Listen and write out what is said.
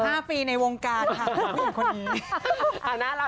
แทง๒๕ปีในวงการค่ะพวกผู้หญิงคนนี้